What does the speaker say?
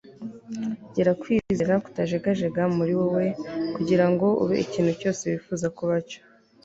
gira kwizera kutajegajega muri wowe kugirango ube ikintu cyose wifuza kuba cyo